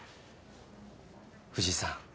藤井さん。